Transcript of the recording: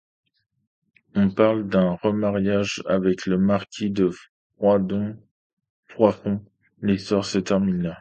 On parle d'un remariage avec le marquis de Froidfond… l'histoire se termine là.